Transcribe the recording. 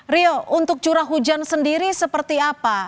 rio untuk curah hujan sendiri seperti apa